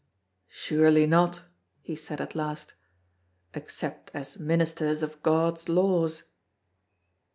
"Surely not," he said at last, "except as ministers of God's laws."